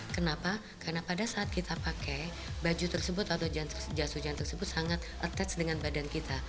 kenapa karena pada saat kita pakai baju tersebut atau jas hujan tersebut sangat attach dengan badan kita